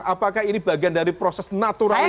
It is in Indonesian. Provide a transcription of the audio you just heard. apakah ini bagian dari proses naturalisasi secara politik